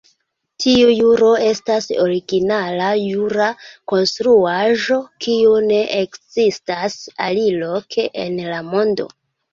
Tiu juro estas originala jura konstruaĵo, kiu ne ekzistas aliloke en la mondo.